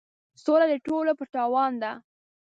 سوله د ټولو په تاوان ده.